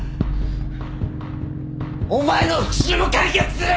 お前の復讐も完結する！